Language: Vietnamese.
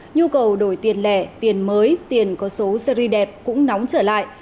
nhu cầu đổi tiền lẻ tiền mới tiền có số series đẹp cũng nóng trở lại